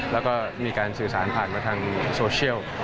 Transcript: แล้วก็มีการสื่อสารผ่านมาทางโซเชียล